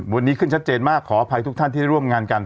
วันนี้ขึ้นชัดเจนมากขออภัยทุกท่านที่ร่วมงานกัน